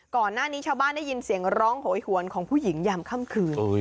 ก่อนหน้านี้ชาวบ้านได้ยินเสียงร้องโหยหวนของผู้หญิงยามค่ำคืน